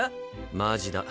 マジだ。